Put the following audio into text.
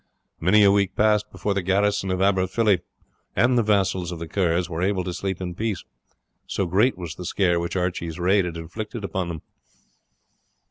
Many a week passed before the garrison of Aberfilly and the vassals of the Kerrs were able to sleep in peace, so great was the scare which Archie's raid had inflicted upon them.